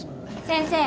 先生